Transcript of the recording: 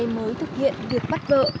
trẻ trai mới thực hiện việc bắt vợ